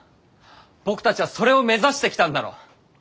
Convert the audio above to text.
僕たちはそれを目指してきたんだろう？